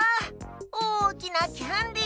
おおきなキャンディー。